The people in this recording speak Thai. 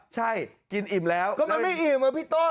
ใช่กินอิ่มแล้วก็มันไม่อิ่มอ่ะพี่โต้